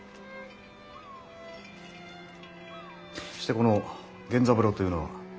してこの源三郎というのは？